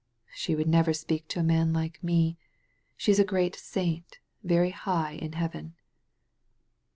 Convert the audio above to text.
''She would never speak to a man like me. She is a great saint, very hi^ in heaven.